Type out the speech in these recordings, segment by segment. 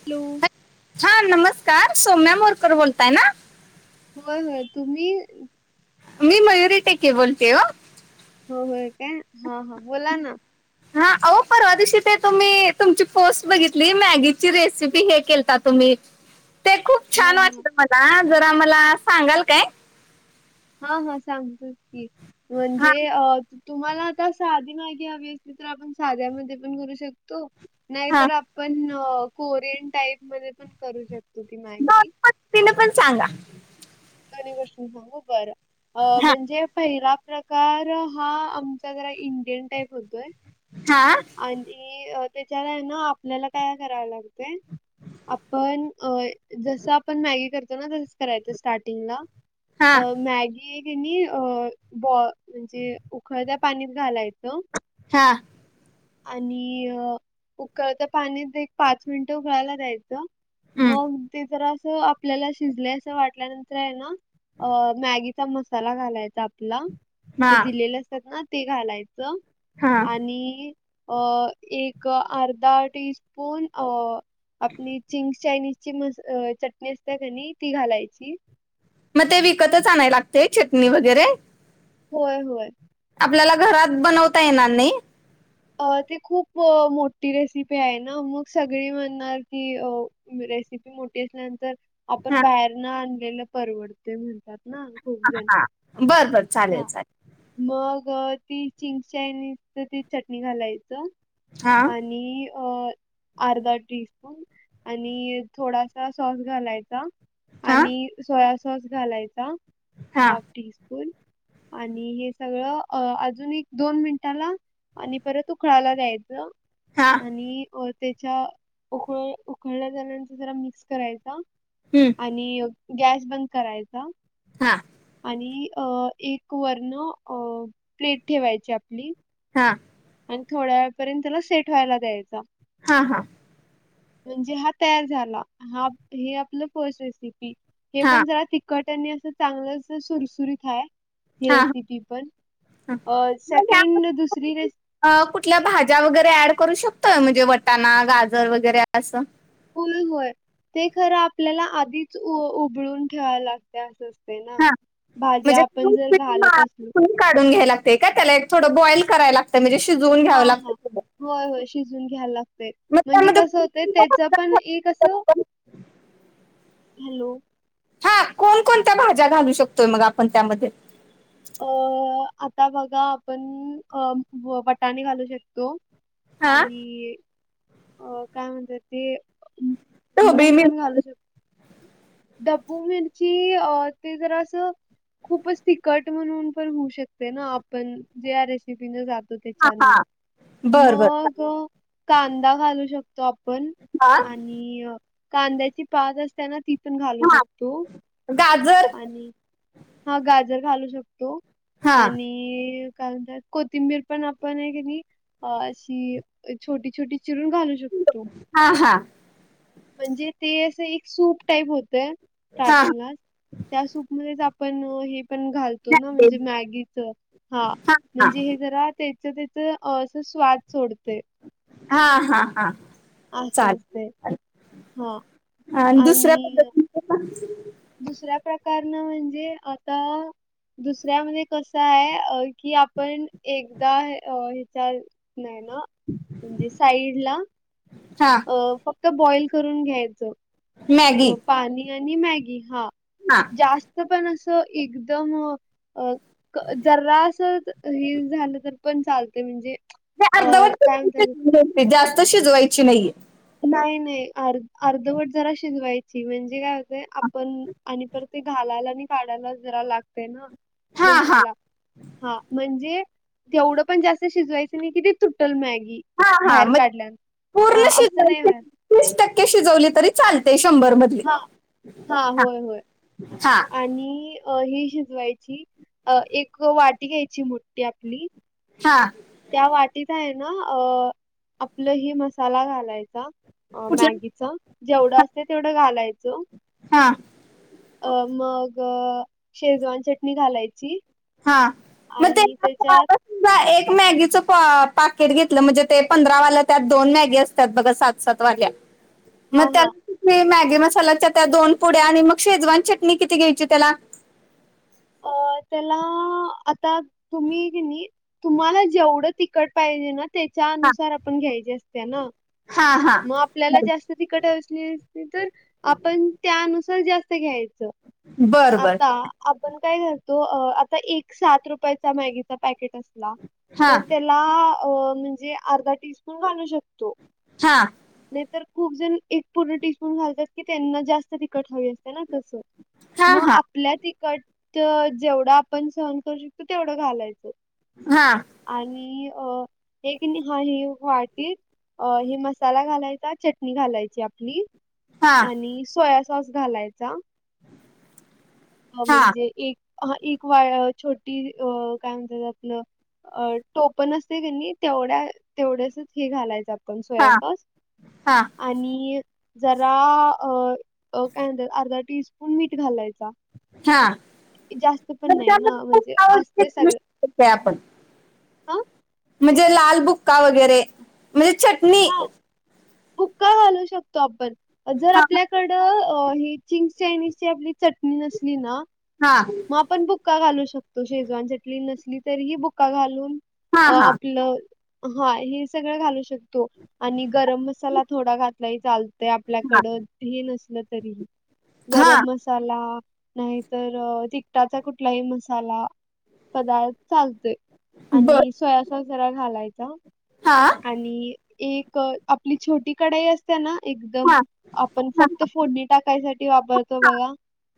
Hello. हा नमस्कार. सोम्या मोरकर बोलताय ना? होय होय. तुम्ही? मी मयुरी टीके बोलते ओ. हो होय काय हा हा बोला ना. हा. अवो पण परवा दिवशी ते तुम्ही तुमची पोस्ट बघितली मॅगीची रेसिपी हे केलता तुम्ही ते खूप हा छान हा वाटलं मला जरा मला सांगाल काय? हा हा सांगते की. हा म्हणजे अ तुम्हाला आता साधी मॅगी हवी असती तर आपण साध्यामध्ये पण करू शक तो. हा नाहीतर आपण कोरियन टाईप मध्ये पण करू शकतो ती मॅगी. [unintelligible] तिन पण सांगा. दोन्ही गोष्टी सांगू बरं अ हा म्हणजे पहिला प्रकार हा आमचा जरा इंडियन टाईप होतोय. हा. आणि त्याच्याला ना आपल्याला काय कराव लागतंय आपण अ जस आपण मॅगी करतो ना तसं करायचं स्टार्टिंगला हा अ मॅगी अ बॉ म्हणजे उकळत्या पाणीत घालायचं. हा. आणि उकळता पाण्यात एक पाच मिनट उकळायला द्यायचं हम्म, मग ते जरा अस आपल्याला शिजले असं वाटल्यानंतर आहे ना अ मॅगीचा मसाला घालायचा आपला. हा ते दिलेले असतात ना ते घालायचं हा आणि अ एक अर्धा टीस्पून अ आपली चिंग्स चायनीज म चटणी असते कणी ती घालायची. मग ते विकतच आणाय लागतय चटणी वगैरे? होय होय. आपल्याला घरात बनवता येणार नाही? अ ती खूप मोठी रेसिपी आहे ना मग सगळी म्हणणार की अ रेसिपी मोठी असल्यानंतर आपण हा बाहेर न आणलेलं परवडते म्हणतात ना. खूप हा जण. हा, बर बर चालेल हां, चालेल. मग ती चिंग चायनीज ते चटणी घालायचं. हा आणि अ अर्धा टीस्पून आणि थोडासा सॉस घालायचा. हा आणि सोया सॉस घालायचा हा हाफ टी स्पून आणि हे सगळं अजून एक, दोन मिनिटाला आणि परत उकळाला द्यायचं. हा. आणि त्याच्या उक उकळल्या नंतर जरा मिक्स करायचा. हम्म. आणि गॅस बंद करायचा. हा आणि अ एक वरणं अ प्लेट ठेवायची आपली. हा आणि थोड्या वेळपर्यंत त्याला सेट व्हायला द्यायचा. हा हा म्हणजे हा तयार झाला हा हे आपलं पो रेसिपी हे हा पण जरा तिखट आणि असं चांगलं सुरसुरीत हाय ह हा रेसिपी पण अ म्हणजे आपण, सेकंड दुसरी रेस कुठल्या भाज्या वगैरे ऍड करू शकतोय म्हणजे वटाणा गाजर वगैरे असं. होय होय ते खरं आपल्याला आधीच उबळून ठेवायं लागते असं हा भाज्या म्हणजे आपण जर घालत असलो काढून घ्याय लागते का त्याला थोडं बॉईल कराय लागतं म्हणजे शिजवून हा घ्याव लागत. हा होय होय शिजून घ्यायला लागतय म्हणजे त्यामध्ये कस तर त्याच पण ई कसं, हॅलो. हा कोण कोणत्या भाज्या घालू शकतोय मग आपण त्यामध्ये. अ आता बघा आपण अ वटाणे घालू शकतो. हा आणि अ काय म्हणतात ते, ढोबळी मूळ पण मिरची घालू शकतो. डबू मिरची ते जरा असं खूपच तीखट म्हणून पण होऊ शकते ना आपण जे रेसिपीन जातो हा त्याच्यान. हा बर बर मग चालेल. कांदा घालू शकतो आपण हा आणि कांद्याची पात असते ना ती पन घालू हा शकतो गाजर आणि हा गाजर घालू शकतो हा आणि का म्हणतात कोथिंबीर पण आपण आहे क नाही अ अशी छोटी छोटी चिरून घालू शकतो. हा हा म्हणजे ते असं एक सूप टाईप होतय हा स्टार्टिंगला, त्या सूप मध्येच आपण हे पण घालो- तो ना म्हणजे मॅगीच हा म्हणजे हे जरा त्याच अस स्वाद सोडते हा हा हा असं चालेल असते हा चालेल आणि दुसऱ्या पद्धतीच दुसऱ्या प्रकारन म्हणजे आता दुसऱ्यामध्ये कस आहे अ कि आपण एकदा अ ह्याच्या नाही ना म्हणजे साईड ला हा अ फक्त बॉईल करून घ्यायचं मॅगी पाणी आणि मॅगी हा. हा जास्त पण असं एकदम अ जरासच हे झालं तर पण चालत म्हणजे ते अ अर्ध काय म्हणतात वट जास्त शिजवायची नाहीये. नाही नाही अर् अर्धवट जरा शिजवायची म्हणजे काय होतंय आपण, आणि परत ते घालायला आणि काढायला जरा लागते ना हा हा नंतरला. हा म्हणजे तेवढं पण जास्त शिजवायचं नाही कि ते तुटल मॅगी. हां हां बाहेर मग काढल्यान पूर्ण हा असं नाही शिजवायची व्हाय तीस टक्के शिजवली तरी चालते शंभर मध्ये हा हा होय होय. हा. आणि ही शिजवायची अ एक वाटी घ्यायची मोठी आपली हा. त्या वाटीत आहे ना अ आपलं हि मसाला घालायचा. अ कुठल्या मॅगीच जेवढं असते तेवढं घालायचं. हा अ मग शेजवान चटणी घालायची. हा. मग ते आणि त्याच्यात आपण एक मॅगीचं पाकेट घेतलं म्हणजे ते पंधरावालं त्यात दोन मॅगी असतात बघा सात सत्वार्या म हा त्याल हा मी मॅगी मसाल्याच्या त्या दोन पुड्या आणि मग शेजवान चटणी किती घ्यायची त्याला अ त्याला आता तुम्ही नी तुम्हाला जेवढं तिकट पाहिजे ना तेच्या हा अनुसार आपण घ्यायचे असते याना हा हा. आपल्याला जास्त तिकट असली अस तर आपण त्यानुसार जास्त घ्यायचं. बर बर आता आपण काय करतो आता एक सात रुपयाचा मॅगीचा पॅकेट असत. हा तर त्याला अ म्हणजे अर्धा टीस्पून घालू शकतो. हा. नाही तर खूप जण एक पूर्ण टीस्पून घालतात की त्यांना जास्त तिखट हवी असते ना तस. हा मग हा आपल्या तिकट जेवढं आपण सहन करू शकतो तेवढं घालायचो. हा. आणि एक हळीव वाटीत अ हे मसाला घालायचा चटणी घालायची आपली. हा आणि सोया सॉस घालायचा हा म्हणजे एक ह एक वा छोटी अ काय म्हणतात आपलं अ टोप न असते की नाही तेवढ्या तेवढ्यास हे घालायच. सोया हा सॉस हा आणि जरा अ काय म्हणतात अर्धा टीस्पून मीठ घालायचा. हा जास्त पण त्या नाही ना म्हणजे असतंय सगळं आपण [unintelligible] हां, म्हणजे लाल बुक्का वगैरे म्हणजे चटणी हां, बुक्का घालू शकतो आपण जर हा आपल्याकडं चिंग्स चायनीज ची आपली चटणी नसली ना हा मग आपण बुक्का घालू शकतो शेजवान चटनी नसली तरीही बुक्का घालून हा अ हा आपलं हा हे सगळं घालू शकत. आणि गरम मसाला थोडा घातलाही चालतो. ते हा आपल्याकड नसल तरी हा गरम मसा मसाला नाहीतर तिकटाचा कुठलाही मसाला पदार्थ चालतोय बर आणि सोया सोयासॉस जरा घालायचा. हा. आणि एक आपली छोटी कढाई असते. ना एकदम हा आपण हा फक्त हा फोडणी टाकायसाठी वापरतो बघा.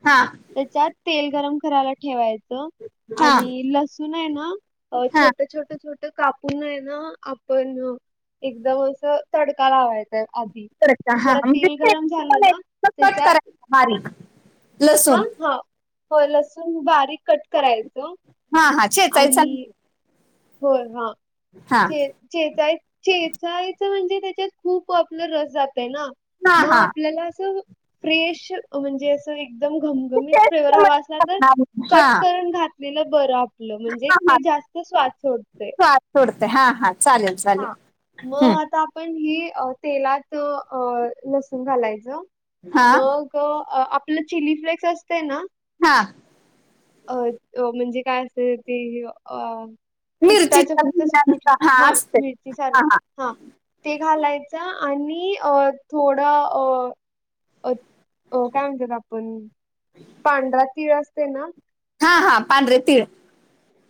हा त्याच्यात तेल गरम करायला ठेवायचं हा आणि लसूण आहे ना. अ हा छोट छोट छोट काप पुन आहे न आपण एकदम असं तडका लावायचा. आधी करायचा हा जरा म्हणजे तेल गरम शेपटी पण झालं आहे, न तो कट त्याच्यात करायचा बारीक हा लसूण हा होय लसूण बारीक कट करायचं. हा हा चेचायचा. हो हा हा चे चेचाय चेचायचं म्हणजे त्याच्यात खूप आपलं रस जात आहेय ना. हा मग हा आपल्याला अस फ्रेश म्हणजे अस एकदम ते घमघमी फ्लेवर हवा मध्ये असला तर टाकणार. हा कट करून घातलेलं बर आप ल म्हणजे हा हा ते जास्त स्वाद सोडते. स्वाद सोडते हा हा चालेल. हा चालेल हम्म. मग आता आपण हि तेलात लसूण घालायचं. हा मग आपलं चिली फ्लेक्स असते ना. हा अ म्हणजे काय असते अ तिखटाचं मिरचीचा फक्त पुट बियांचा हा असते मिरची सारख हा. ते घालायचं आणि अ थोडं अ अ अ काय म्हणतेत आपण? [inaudible] पांढरा तीळ असते ना. हा हा पांढरे तीळ.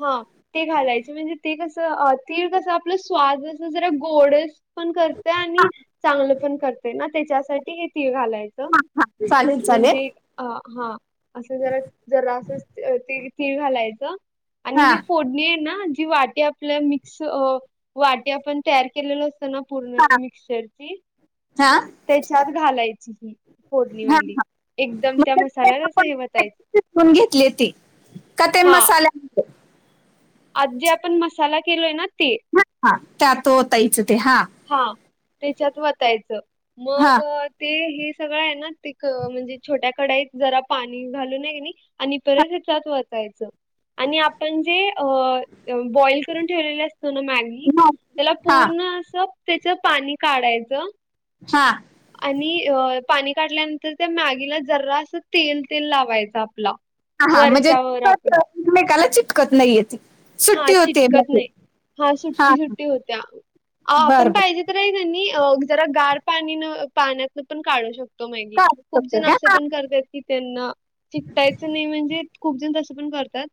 हा ते घालायच म्हणजे ते कसं तीळ कसं आपलं स्वाद जस जरा गोड पण करते आणि चांगलं पण करतेय ना त्याच्यासाठी हे तीळ घालायचं हा हा चालेल चालेल म्हणजे अ हा असं जरा जरा असं तीळ तीळ घालायचं. आणि हा ही फोडणी आहे न जी वाटी आपल्या मिक्स वाटी आपण तयार केलेल अस न पूर्ण हा ते मिक्सचर ची हा त्याच्यात घालायची ही. हा फोडणीवाली हा एकदम त्या मसाल्यात असं हे वतायचं. मी पण घेतली. ती का ते मसा आजी आपण मसाला केलोय न ते. त्या तो ताईच ते हा हा त्याच्यात वचायचं हा मग ते हे सगळं आहे न ते म्हणजे छोट्या कडाईत जरा पाणी घालू हे किनी आणि हा परत हे त्यात वचायचं. आणि आपण जे अ बॉइल करून ठेवलेले असतो न मॅग ती त्याला हा पूर्ण अस त्याच पाणी काढायचं. हा आणि अ पाणी काठल्यानंतर त्या मॅगीला जरासं तेल तेल लावायचं आपला हा हा म्हणजे वरच्यावर त आपण एकमेकाला चिपकत नाहीय ते हा चिटकत नाही हा हां, सुट्टी हां. सुट्टी होत्या आपण बरं, बरं. पाहिजे तर हाय का नी जरा गार पाणीन पाण्यात पण काढू शक ी चालेल खूप तसं जण घ्या. असे पण करत की. त्यांना शिकतायच नाही म्हणजे खूप जण तस पण करतात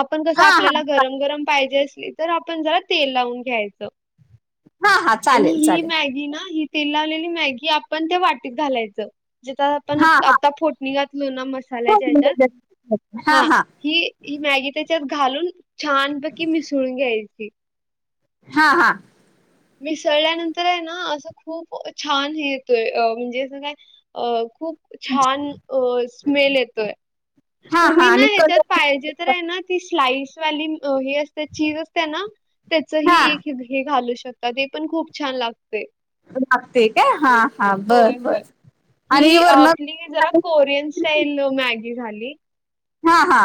आपण कसं हां, हां, आपल्याला. हां. चालेल. गरम गरम पाहिजे असली तर आपण जरा तेल लावून घ्यायचं. हां, हां. आणि चालेल, ही चालेल. मॅगी ना ह. ते लावलेली मॅगी आपण ते वाटीत घालायचं. जथ आपण हां, हां. आता फोटणी घातलो ना मसाल्याच्या ह्याच्यात हां, हा हां. ही. ही मॅगी त्याच्यात घालून छानपैकी मिसळून घ्यायची हा हा. मिसळल्यानंतर आहे ना असं खूप छान हे येतोय म्हणजे असं काय. अ खूप छान अ स्मेल येतोय हां, तुम्ही हां. ना आणि ह्याच्यात कलर पाहिजे. स्लास असचीज असते ना त्या हां. हे घालू शकतात ते पण खूप छान लागते. लागते काय हा हा होय, बरं होय. बर. ही आपली जरा कोरियन स्टाईल मॅगी झाली. हा हा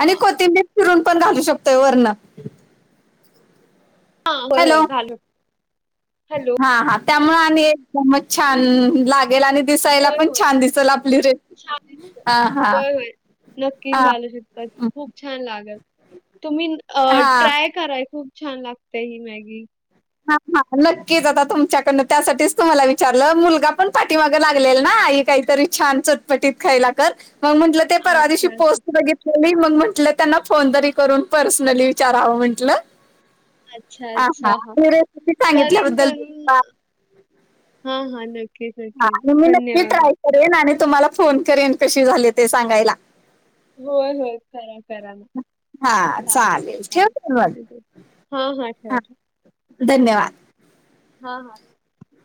आणि कोतीिंबी चिरून पण घालू शकतोय वर्ण. हां, होय, हॅलो होय घालू हॅलो. हा हा. त्यामुळे आणि एकदमच छान लागेल आणि दिसायला होय, पण होय. छान दिसेल आपली छान रेसिपी दिसतं. हा हा. होय, होय. नक्कीच घालू शिकतात. खूप छान लागल तुम्ही अ हां हां ट्राय कराय खूप छान लागते ही मॅगी. हा हा नक्कीच आता तुमच्याकडन त्यासाठीच तुम्हाला विचारलं मुलगा पण पाठीमागं लागलेल ना. काहीतरी छान चटपटीत खायला कर मग म्हंटलं ते अच्छा, पशी अच्छा. पोस्ट बित ली मग म्हटलं त्यांना फोन तरी करून पर्सनली विचारावं म्हंटलं. अच्छा अच्छा. हां. रेसिपी सांगितल्याबद्दल. धन्यवाद हा हा नक्की हां नकीेल आणि मी नक्की धन्यवाद! ट्राय करेन आणि तुम्हाला फोन करेन कशी झाले ते सांगायला होय होय खरा करा ना. हा चालेल ठेव म हां, हां. ठेवा, हा ठेवा. धन्यवाद! हा हा.